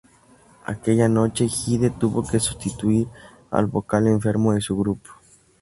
Aquella noche Hyde tuvo que sustituir al vocal enfermo de su grupo.